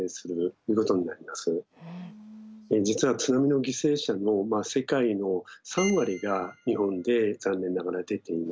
実は津波の犠牲者も世界の３割が日本で残念ながら出ていますね。